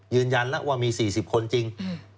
ยืนยันแล้วว่ามี๔๐คนจริง